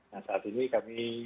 nah saat ini kami